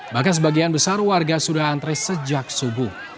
bahkan sebagian besar warga sudah antre sejak subuh